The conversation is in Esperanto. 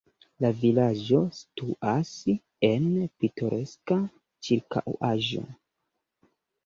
La vilaĝo situas en pitoreska ĉirkaŭaĵo.